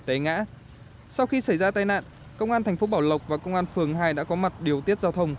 té ngã sau khi xảy ra tai nạn công an thành phố bảo lộc và công an phường hai đã có mặt điều tiết giao thông